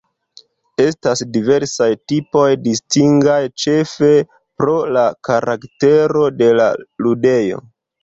Estas diversaj tipoj distingaj ĉefe pro la karaktero de la ludejo.